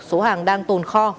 số hàng đang tồn kho